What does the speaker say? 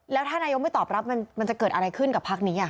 แล้วถ้านายกไม่ตอบรับมันจะเกิดอะไรขึ้นกับพักนี้